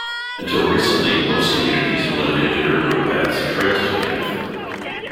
Until recently most communities were limited to dirt-road paths and trails to connect them.